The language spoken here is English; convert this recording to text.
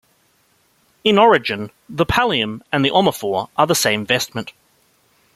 In origin, the pallium and the omophor are the same vestment.